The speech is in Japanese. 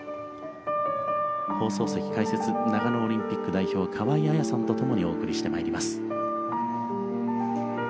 放送席解説長野オリンピック代表河合彩さんと共にお送りして参ります。